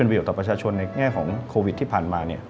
ในแง่ของโควิดที่ผ่านมาเนี่ย